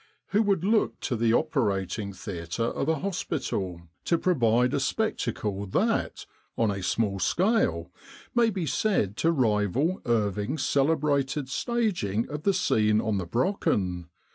" Who would look to the operating theatre of a hospital to provide a spectacle that, on a small scale, may be said to rival Irving's celebrated staging of the scene on the Brocken